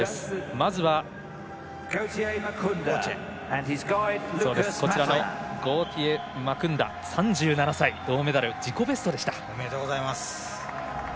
まずは、こちらのゴーティエ・マクンダ３７歳銅メダル、自己ベストでした。